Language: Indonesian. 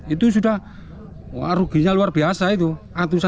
itu sudah ruginya luar biasa itu